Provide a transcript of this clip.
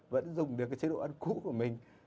vẫn dùng được cái chế độ ăn cũ của mình